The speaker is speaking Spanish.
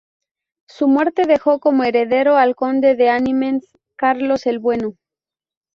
Su muerte dejó como heredero al conde de Amiens, Carlos el Bueno.